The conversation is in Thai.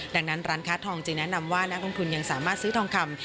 ดังนั้นร้านค้าทองจึงแนะนำว่านักลงทุนยังสามารถซื้อทองคำ